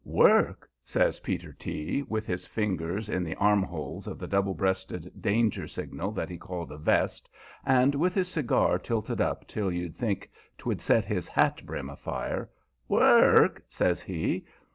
"Work?" says Peter T., with his fingers in the arm holes of the double breasted danger signal that he called a vest, and with his cigar tilted up till you'd think 'twould set his hat brim afire. "Work?" says he.